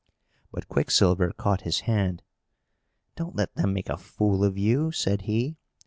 But Quicksilver caught his hand. "Don't let them make a fool of you!" said he.